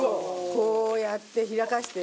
こうやって開かせて。